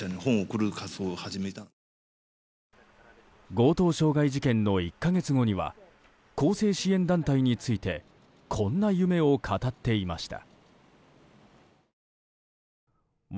強盗傷害事件の１か月後には更生支援団体についてこんな夢を語っていました。